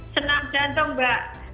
senam jantung mbak